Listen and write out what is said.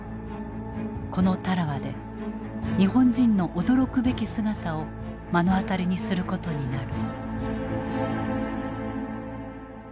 このタラワで日本人の驚くべき姿を目の当たりにすることになる。